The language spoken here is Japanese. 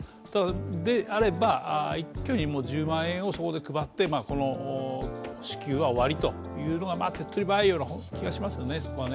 であれば、一挙に１０万円をそこで配ってこの支給は終わりというのが手っ取り早いような気がしますね。